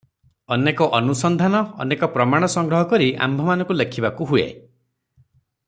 ଅନେକ ଅନୁସନ୍ଧାନ, ଅନେକ ପ୍ରମାଣ ସଂଗ୍ରହ କରି ଆମ୍ଭମାନଙ୍କୁ ଲେଖିବାକୁ ହୁଏ ।